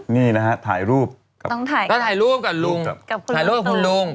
นี่นะฮะถ่ายรูปก็ถ่ายรูปกับลุงถ่ายรูปกับคุณลุง